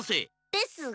ですが。